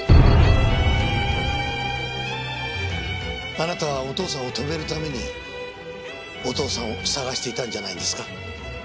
あなたはお父さんを止めるためにお父さんを捜していたんじゃないですか？